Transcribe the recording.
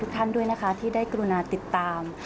ท่านด้วยนะคะที่ได้กรุณาติดตาม